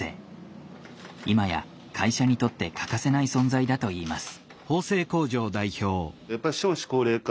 今や会社にとって欠かせない存在だといいます。